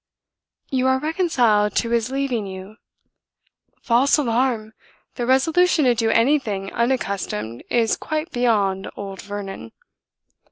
"You are reconciled to his leaving you?" "False alarm! The resolution to do anything unaccustomed is quite beyond old Vernon."